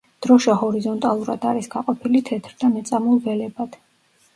დროშა ჰორიზონტალურად არის გაყოფილი თეთრ და მეწამულ ველებად.